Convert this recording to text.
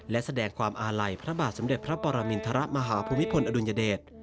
และแสดงความอาลัยพระบาทสมเด็จพระปรมินทรมาฮภูมิพลอดุลยเดช